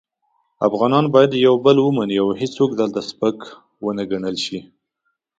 افغانان باید یو بل ومني او هیڅوک دلته سپک و نه ګڼل شي.